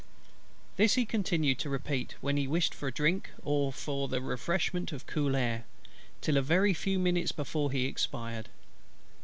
This he continued to repeat, when he wished for drink or the refreshment of cool air, till a very few minutes before he expired.